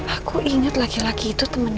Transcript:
aku inget laki laki itu temennya